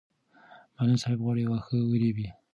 معلم صاحب غواړي واښه ورېبي.